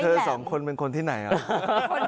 สองคนเป็นคนที่ไหนอ่ะ